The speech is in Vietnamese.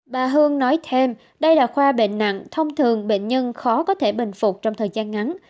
bà hương nói thêm đây là khoa bệnh nặng thông thường bệnh nhân khó có thể bình phục trong thời gian ngắn